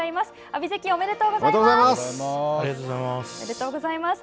ありがとうございます。